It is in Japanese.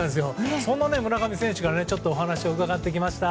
そんな村上選手からちょっとお話を伺ってきました。